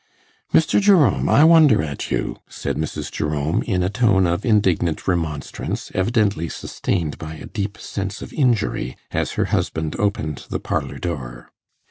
'Mr. Jerome, I wonder at you,' said Mrs. Jerome, in a tone of indignant remonstrance, evidently sustained by a deep sense of injury, as her husband opened the parlour door.